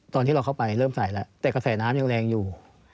ตอนที่เราเข้าไปเริ่มใส่แล้วแต่กระแสน้ำยังแรงอยู่